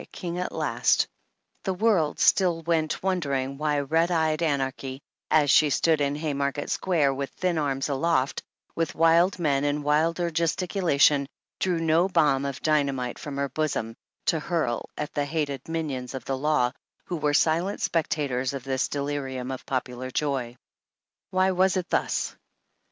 King at last, the world still went 7 wondering why red eyed anarchy, as she stood in Haymarket Square, with thin arms aloft, with wild mien and wilder gesticulation, drew no bomb of dynamite from her bosom, to hurl at the hated minions of the law who were silent spectators of this delirium of popular joy. Why was it thus